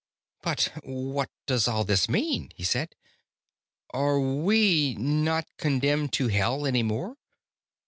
"But what does all this mean?" he said. "Are we not condemned to Hell any more?"